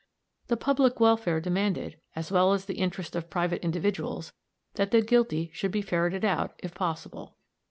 The public welfare demanded, as well as the interest of private individuals, that the guilty should be ferreted out, if possible.